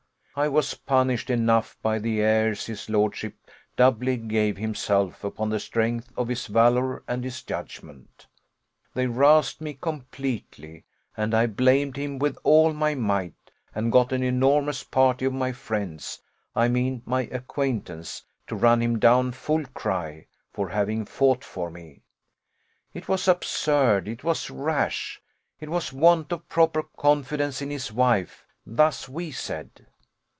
I was punished enough by the airs his lordship doubly gave himself, upon the strength of his valour and his judgment they roused me completely; and I blamed him with all my might, and got an enormous party of my friends, I mean my acquaintance, to run him down full cry, for having fought for me. It was absurd it was rash it was want of proper confidence in his wife; thus we said.